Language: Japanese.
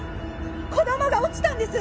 子供が落ちたんです！